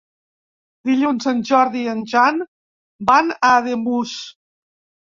Dilluns en Jordi i en Jan van a Ademús.